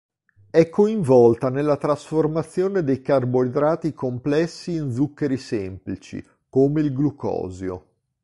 È coinvolta nella trasformazione dei carboidrati complessi in zuccheri semplici, come il glucosio.